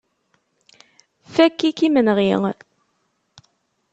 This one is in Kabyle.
Fakk-ik imenɣi.